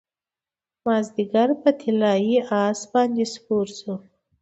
مازدیګر په طلايي اس باندې سپور شو